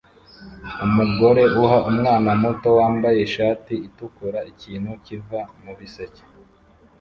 Umugore uha umwana muto wambaye ishati itukura ikintu kiva mubiseke